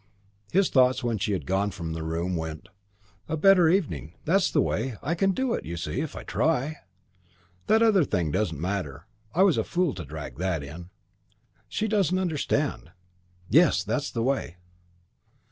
His thoughts, when she had gone from the room, went, "A better evening! That's the way! I can do it, you see, if I try. That other thing doesn't matter. I was a fool to drag that in. She doesn't understand. Yes, that's the way!"